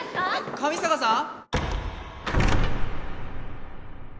上坂さん